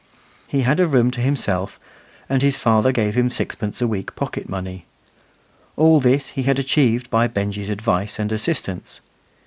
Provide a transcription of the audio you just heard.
He had a room to himself, and his father gave him sixpence a week pocket money. All this he had achieved by Benjy's advice and assistance.